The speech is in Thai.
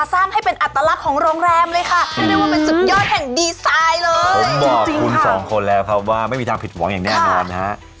แสดงแรกครับว่าไม่มีทางผิดหวังอย่างแน่นอนนะครับ